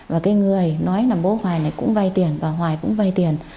và cái người nói là bố hoài này cũng vay tiền và hoài cũng vay tiền